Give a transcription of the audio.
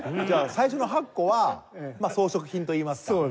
じゃあ最初の８個は装飾品といいますか。